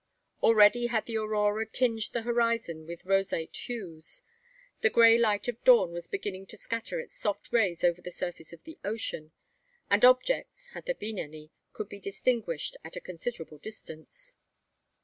Already had the aurora tinged the horizon with roseate hues. The grey light of dawn was beginning to scatter its soft rays over the surface of the ocean; and objects had there been any could be distinguished at a considerable distance.